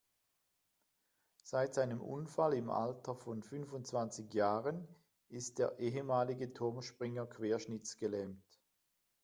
Seit seinem Unfall im Alter von fünfundzwanzig Jahren ist der ehemalige Turmspringer querschnittsgelähmt.